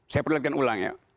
saya perlihatkan ulang ya